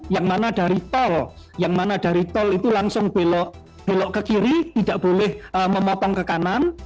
yang mana dari tol yang mana dari tol itu langsung belok ke kiri tidak boleh memotong ke kanan